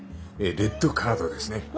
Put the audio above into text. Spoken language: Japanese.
ええレッドカードですね。